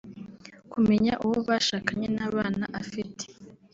kumenya uwo bashakanye n’abana afite